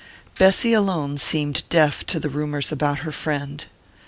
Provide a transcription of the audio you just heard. Bessy alone seemed deaf to the rumours about her friend.